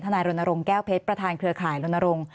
นายรณรงค์แก้วเพชรประธานเครือข่ายรณรงค์